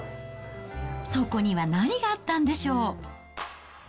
そこには何があったんでしょう。